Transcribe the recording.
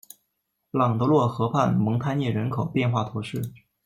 朗德洛河畔蒙泰涅人口变化图示